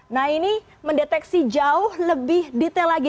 nah ini mendeteksi jauh lebih detail lagi